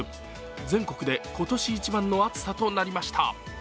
全国で今年一番の暑さとなりました。